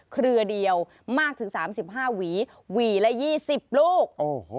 เครือเดียวมากถึงสามสิบห้าหวีหวีละยี่สิบลูกโอ้โห